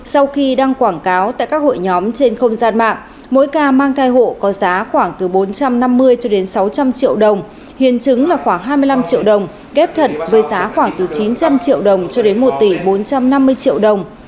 sau khi đăng quảng cáo tại các hội nhóm trên không gian mạng mỗi ca mang thai hộ có giá khoảng từ bốn trăm năm mươi cho đến sáu trăm linh triệu đồng hiến chứng là khoảng hai mươi năm triệu đồng ghép thật với giá khoảng từ chín trăm linh triệu đồng cho đến một tỷ bốn trăm năm mươi triệu đồng